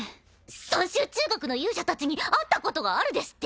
讃州中学の勇者たちに会ったことがあるですって？